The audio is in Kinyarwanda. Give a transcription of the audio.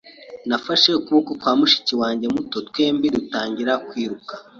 Nafashe ukuboko kwa mushiki wanjye muto, twembi dutangira kwiruka.